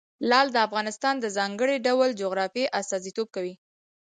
لعل د افغانستان د ځانګړي ډول جغرافیه استازیتوب کوي.